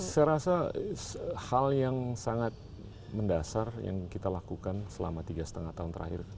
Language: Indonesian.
saya rasa hal yang sangat mendasar yang kita lakukan selama tiga lima tahun terakhir